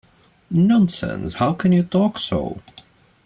Nonsense, how can you talk so!